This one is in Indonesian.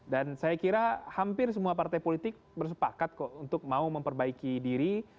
dan saya kira hampir semua partai politik bersepakat untuk mau memperbaiki diri